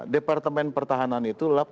departemen pertahanan itu